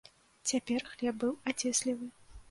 Цяпер хлеб быў ацеслівы.